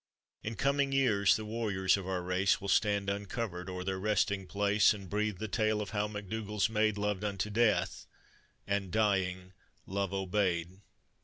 In coming years the warriors of our race Will stand uncovered o'er their resting place, And breathe the tale of how MacDougall's maid, Loved unto death, and, dying, love obeyed.